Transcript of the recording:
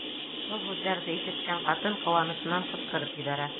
Был һүҙҙәрҙе ишеткән ҡатын ҡыуанысынан ҡысҡырып ебәрә: